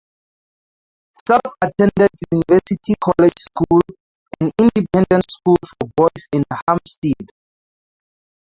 Self attended University College School, an independent school for boys in Hampstead.